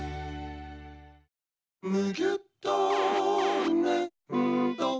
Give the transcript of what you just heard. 「むぎゅっとねんど」